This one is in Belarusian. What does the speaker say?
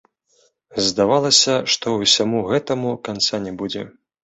Здавалася, што ўсяму гэтаму канца не будзе.